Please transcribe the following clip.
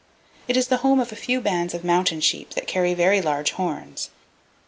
It is the home of a few bands of mountain sheep that carry very large horns.